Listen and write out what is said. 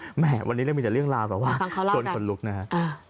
วันนี้เรายังมีแต่เรื่องราวส่วนคนลุกนะฮะ